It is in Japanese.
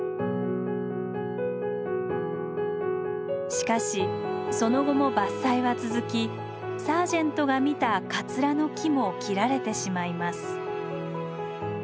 しかしその後も伐採は続きサージェントが見たカツラの木も切られてしまいます。